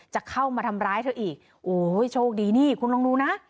จะเข้ามาทำร้ายเธออีกโอ้ยโชคดีนี่คุณลองดูนะ